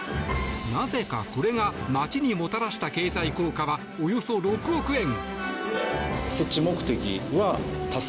なぜか、これが町にもたらした経済効果はおよそ６億円。